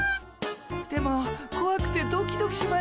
でもこわくてドキドキしました。